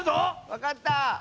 わかった！